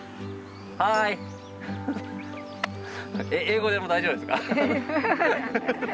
英語でも大丈夫ですか？